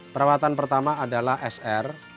perawatan pertama adalah sr